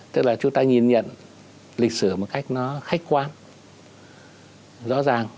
tức là chúng ta nhìn nhận lịch sử một cách nó khách quan rõ ràng